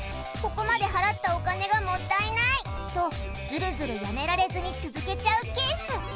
「ここまで払ったお金がもったいない！」とズルズルやめられずに続けちゃうケース。